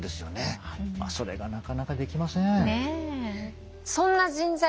それがなかなかできません。